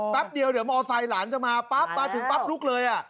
แป๊บเดียวเดี๋ยวมอไซค์หลานจะมาปั๊บมาถึงปั๊บลุกเลย